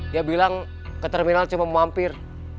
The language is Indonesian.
dia bilang ke terminal cuma mampir